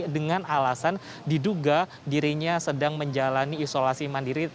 dengan alasan diduga dirinya sedang menjalani isolasi mandiri